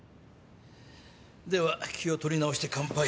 では気を取り直して乾杯を。